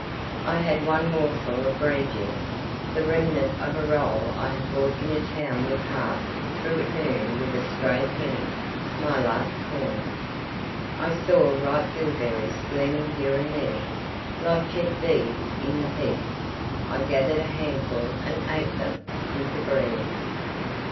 I had one morsel of bread yet: the remnant of a roll I had bought in a town we passed through at noon with a stray penny—my last coin. I saw ripe bilberries gleaming here and there, like jet beads in the heath: I gathered a handful and ate them with the bread.